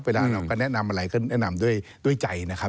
เวลาเราก็แนะนำอะไรก็แนะนำด้วยใจนะครับ